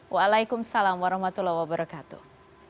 waalaikumsalam warahmatullahi wabarakatuh